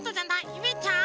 ゆめちゃん？